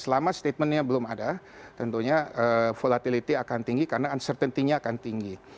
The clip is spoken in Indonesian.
selama statementnya belum ada tentunya volatility akan tinggi karena uncertainty nya akan tinggi